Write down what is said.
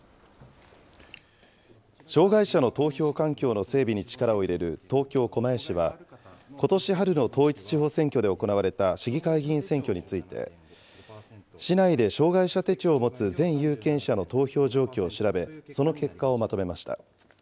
障害者の投票環境の整備に力を入れる東京・狛江市は、ことし春の統一地方選挙で行われた市議会議員選挙について、市内で障害者手帳を持つ全有権者の投票状況を調べ、その結果をまとめました。